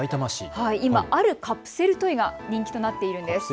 今あるカプセルトイが人気となっているんです。